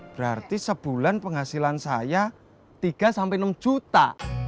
berarti sebulan penghasilan saya tiga sampai enam juta